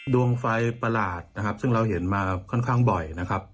ดวงไฟประหลาดนะครับซึ่งเราเห็นมาค่อนข้างบ่อยนะครับ